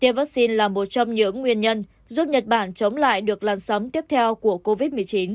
tiêm vaccine là một trong những nguyên nhân giúp nhật bản chống lại được làn sóng tiếp theo của covid một mươi chín